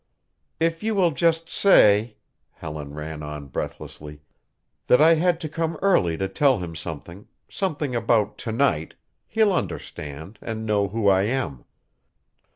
"If you will just say," Helen ran on breathlessly, "that I had to come early to tell him something something about to night he'll understand and know who I am."